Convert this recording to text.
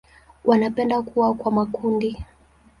Wanapenda kuwa kwa makundi.